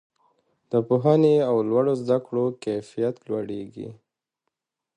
د پوهنې او لوړو زده کړو کیفیت لوړیږي.